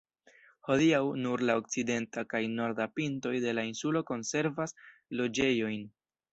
Hodiaŭ, nur la okcidenta kaj norda pintoj de la insulo konservas loĝejojn.